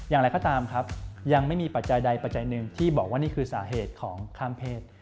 อย่างไรก็ตามครับยังไม่มีปัจจัยใดปัจจัยหนึ่งที่บอกว่านี่คือสาเหตุของข้ามเพศ